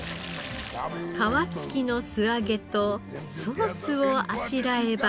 皮付きの素揚げとソースをあしらえば。